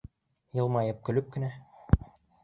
Йылмайып-көлөп кенә